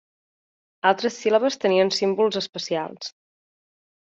Altres síl·labes tenien símbols especials.